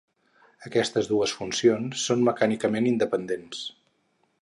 Aquestes dues funcions són mecànicament independents.